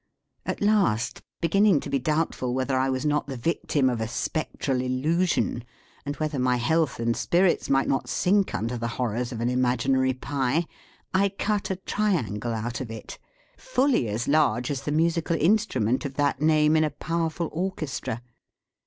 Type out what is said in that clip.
At last, beginning to be doubtful whether I was not the victim of a spectral illusion, and whether my health and spirits might not sink under the horrors of an imaginary pie, I cut a triangle out of it, fully as large as the musical instrument of that name in a powerful orchestra.